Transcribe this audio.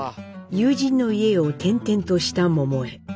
友人の家を転々とした桃枝。